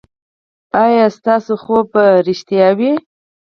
ایا ستاسو خوب به ریښتیا وي؟